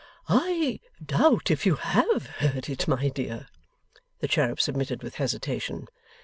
'I doubt if you HAVE heard it, my dear,' the cherub submitted with hesitation.